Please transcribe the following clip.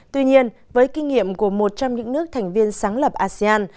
tuy nhiên với kinh nghiệm của một trăm linh những nước thành viên sáng lập asean